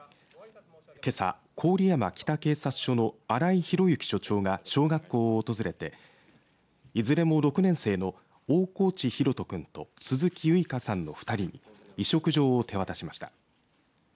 けさ、郡山北警察署の荒井宏之署長が小学校を訪れていずれも６年生の大河内優心君と鈴木結香さんの２人に委嘱状を手渡しました。